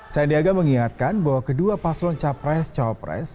sandiaga mengingatkan bahwa kedua paslon capres cawapres